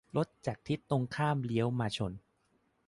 - รถจากทิศตรงข้ามเลี้ยวมาชน